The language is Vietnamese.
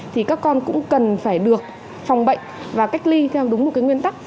thì các con cũng cần phải được phòng bệnh và cách ly theo đúng một cái nguyên tắc